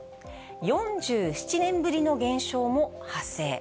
４７年ぶりの現象も発生。